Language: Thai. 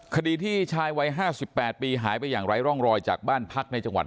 คดีที่ชายวัย๕๘ปีหายไปอย่างไร้ร่องรอยจากบ้านพักในจังหวัด